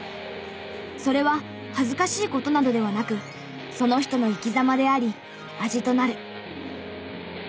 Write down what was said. それは恥ずかしい事などではなくその人の生き様であり味となる。